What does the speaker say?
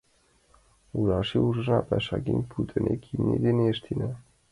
Ужашыже ужынна, пашам гын пӱтынек имне дене ыштенна.